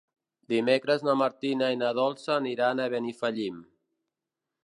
Dimecres na Martina i na Dolça aniran a Benifallim.